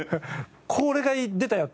これが出たよ！